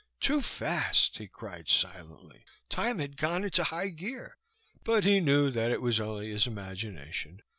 Too fast! he cried silently, time had gone into high gear; but he knew that it was only his imagination.